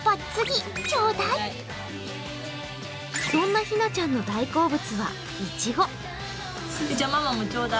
そんなひなちゃんの大好物は、いちご。